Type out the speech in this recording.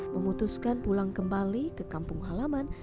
memutuskan pulang kembali ke kampung halaman